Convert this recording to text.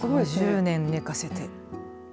５０年寝かせて。